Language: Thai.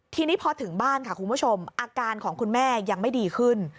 ทีนี้พอถึงบ้านค่ะคุณผู้ชมอาการของคุณแม่ยังไม่ดีขึ้น